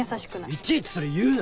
いちいちそれ言うな！